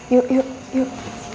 yuk yuk yuk